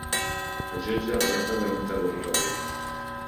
El jutge redacta la interlocutòria.